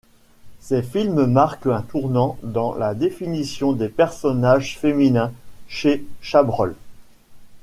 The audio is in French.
Ces films marquent un tournant dans la définition des personnages féminins chez Chabrol.